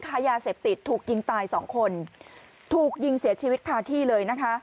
ค้ายาเสพติดถูกยิงตายสองคนถูกยิงเสียชีวิตคาที่เลยนะคะ